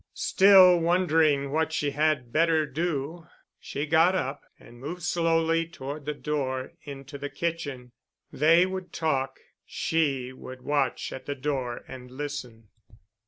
Still wondering what she had better do, she got up and moved slowly toward the door into the kitchen. They would talk—she would watch at the door and listen.